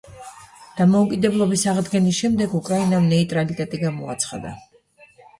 დამოუკიდებლობის აღდგენის შემდეგ უკრაინამ ნეიტრალიტეტი გამოაცხადა.